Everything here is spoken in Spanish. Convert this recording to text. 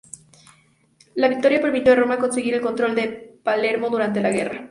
La victoria permitió a Roma conseguir el control de Palermo durante la guerra.